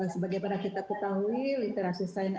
sebagai yang kita ketahui literasi sains ini